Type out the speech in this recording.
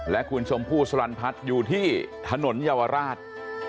และคุณชมพู่สลันพัฒน์อยู่ที่ถนนเยาวราช